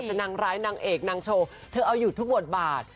แต่นางร้ายนางเอกนางโชว์เธอเอาอยู่ทุกบทบาท